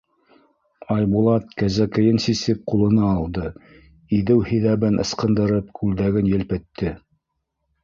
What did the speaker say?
Айбулат кәзәкейен сисеп ҡулына алды, иҙеү һиҙәбен ысҡындырып, күлдәген елпетте.